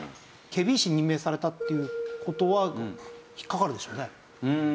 検非違使に任命されたっていう事は引っかかるでしょうね。